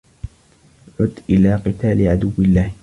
عُدْ إلَى قِتَالِ عَدُوِّ اللَّهِ